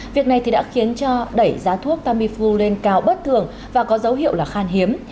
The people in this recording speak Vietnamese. việc này thì đã khiến cho đẩy giá thuốc tamifu lên cao bất thường và có dấu hiệu là khan hiếm